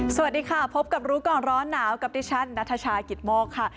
สวัสดีค่ะพบกับรู้ก่อนร้อนหนาวกับดิฉันนัทชายกิตโมกค่ะ